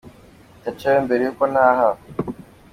ndacayo mbere yuko ntaha.